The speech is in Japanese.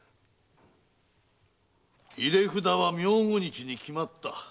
入札は明後日に決まった。